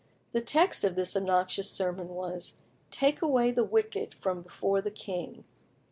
The text of this obnoxious sermon was, "Take away the wicked from before the king."